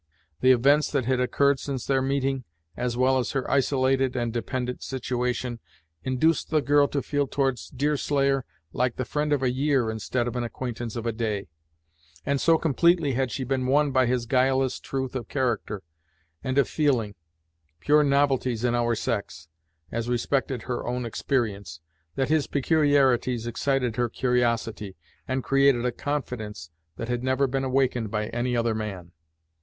The events that had occurred since their meeting, as well as her isolated and dependant situation, induced the girl to feel towards Deerslayer like the friend of a year instead of an acquaintance of a day, and so completely had she been won by his guileless truth of character and of feeling, pure novelties in our sex, as respected her own experience, that his peculiarities excited her curiosity, and created a confidence that had never been awakened by any other man.